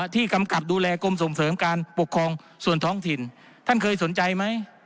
กำกับดูแลกรมส่งเสริมการปกครองส่วนท้องถิ่นท่านเคยสนใจไหม